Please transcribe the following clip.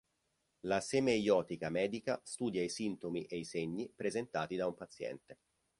La Semeiotica medica studia i sintomi e i segni presentati da un paziente.